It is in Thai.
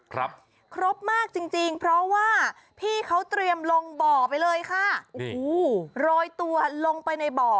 ครบมากจริงจริงเพราะว่าพี่เขาเตรียมลงบ่อไปเลยค่ะโอ้โหโรยตัวลงไปในบ่อ